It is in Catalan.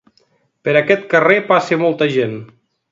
Per aquest carrer passa molta gent.